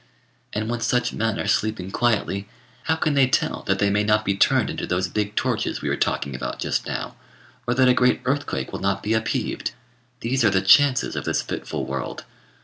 And when such men are sleeping quietly, how can they tell that they may not be turned into those big torches we were talking about just now, or that a great earthquake will not be upheaved? These are the chances of this fitful world.